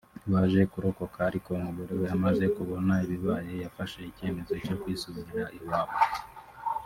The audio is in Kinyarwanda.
Baje kurokoka ariko umugore we amaze kubona ibibaye yafashe icyemezo cyo kwisubirira iwabo